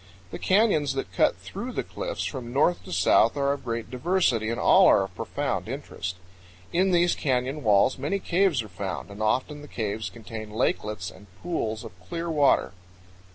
The canyons that cut through the cliffs from north to south are of great diversity and all are of profound interest. In these canyon walls many caves are found, and often the caves contain lakelets and pools of clear water.